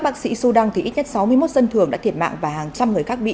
bác sĩ sudan thì ít nhất sáu mươi một dân thường đã thiệt mạng và hàng trăm người khác bị